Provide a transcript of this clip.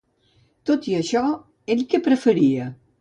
Tot i això, ell què preferia?